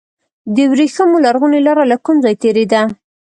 د وریښمو لرغونې لاره له کوم ځای تیریده؟